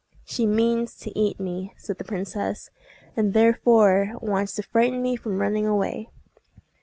"She means to eat me," said the princess, "and therefore wants to frighten me from running away."